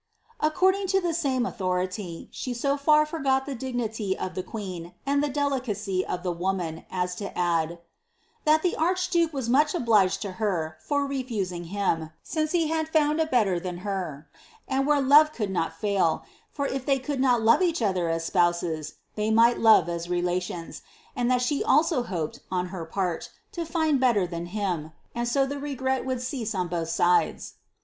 According to the same authority, she so &r forgot the dignity of the queen and the delicacy of the woman, as to add, '■ that the archduke was much obliged to her (or refusing him, since he had found a belter than her, and where love co«ld not lail, for if ihey cotdd not love each other as spouses, they mifbl love as relations ; and that site also hoped, on her part, to find belter titan him, and so the regret would cease on both sides."